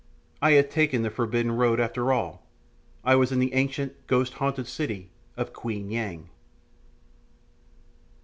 I had taken the forbidden road after all. I was in the ancient, ghost haunted city of Queen Yang!